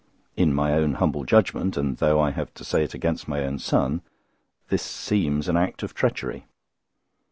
In my own humble judgment, and though I have to say it against my own son, this seems an act of treachery.